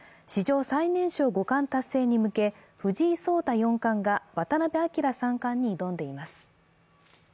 史上最年少五冠達成に向け、藤井聡太四冠が渡辺明三冠に挑んでいます。